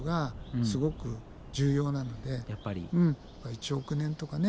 １億年とかね